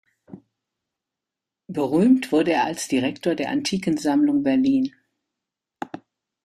Berühmt wurde er als Direktor der Antikensammlung Berlin.